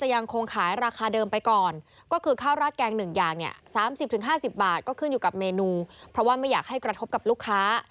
อย่างนี้๓๐๕๐บาทก็ขึ้นอยู่กับเมนูเพราะว่าไม่อยากให้กระทบกับลูกค้า